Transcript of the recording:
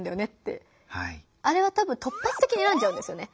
あれはたぶん突発的に選んじゃうんですよね。